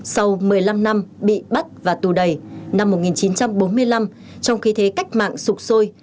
sau một mươi năm năm bị bắt và tù đầy năm một nghìn chín trăm bốn mươi năm trong khi thế cách mạng sụp sôi